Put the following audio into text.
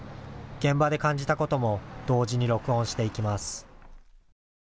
現場で感じたことも同時に録音していきます。